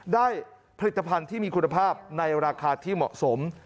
ได้ผลิตภัณฑ์ที่มีคุณภาพในราคาที่เหมาะสม